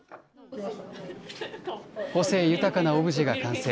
個性豊かなオブジェが完成。